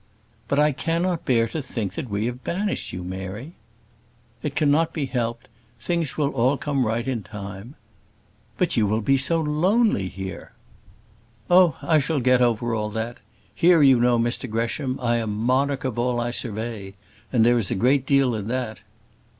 "But I cannot bear to think that we have banished you, Mary." "It cannot be helped. Things will all come right in time." "But you will be so lonely here." "Oh! I shall get over all that. Here, you know, Mr Gresham, 'I am monarch of all I survey;' and there is a great deal in that."